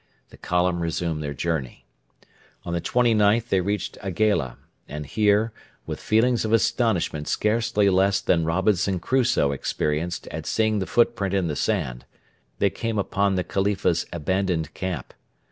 The column resumed their journey. On the 29th they reached Aigaila, and here, with feelings of astonishment scarcely less than Robinson Crusoe experienced at seeing the footprint in the sand, they came upon the Khalifa's abandoned camp.